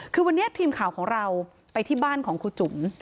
คือวันนี้ทีมข่าวของเราไปที่บ้านของครูจุ๋ม